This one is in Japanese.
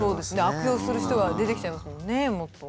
悪用する人が出てきちゃいますもんねもっと。